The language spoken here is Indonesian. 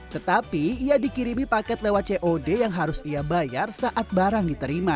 tetapi ia dikirimi paket lewat cod yang harus ia bayar saat barang diterima